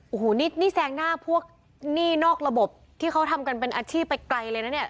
โอ้โหนี่แซงหน้าพวกหนี้นอกระบบที่เขาทำกันเป็นอาชีพไปไกลเลยนะเนี่ย